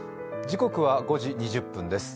時刻は５時２０分です。